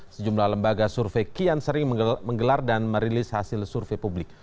sejumlah lembaga survei kian sering menggelar dan merilis hasil survei publik